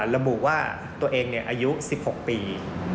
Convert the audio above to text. ระบุว่าตัวเองอายุ๑๖ปี